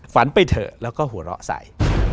ไปเถอะแล้วก็หัวเราะใส่